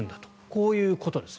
こういうことです。